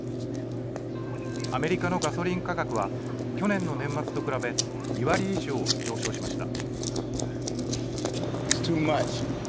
アメリカのガソリン価格は去年の年末と比べ、２割以上上昇しました。